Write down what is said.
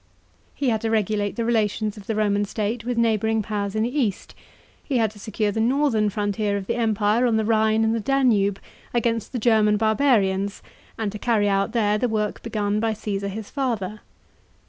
He had to regulate the relations of the Roman state with neighbouring powers in the East; he had to secure the northern frontier of the empire on the Rhine and the Danube against the German barbarians, and carry out there the work begun by Caasar his father.